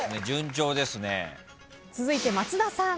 続いて松田さん。